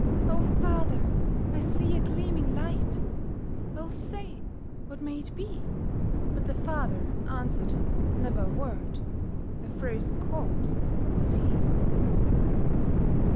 'O father! I see a gleaming light, O say, what may it be?' But the father answered never a word, A frozen corpse was he.